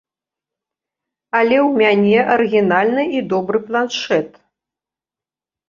Але ў мяне арыгінальны і добры планшэт.